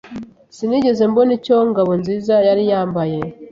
Sinigeze mbona icyo Ngabonziza yari yambaye.